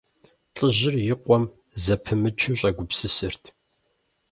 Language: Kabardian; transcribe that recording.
ЛӀыжьыр и къуэм зэпымычу щӀэгупсысырт.